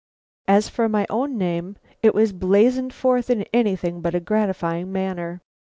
As for my own name, it was blazoned forth in anything but a gratifying manner.